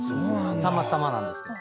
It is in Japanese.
たまたまなんですけど。